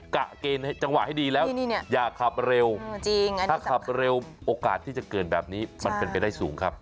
กะเกณฑ์จังหวะให้ดีแล้วอย่าขับเร็วถ้าขับเร็วโอกาสที่จะเกิดแบบนี้มันเป็นไปได้สูงครับ